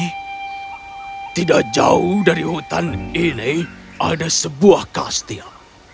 tapi tidak jauh dari hutan ini ada sebuah kastil